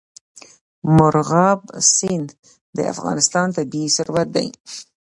مورغاب سیند د افغانستان طبعي ثروت دی.